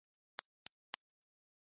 ミーティングが長引く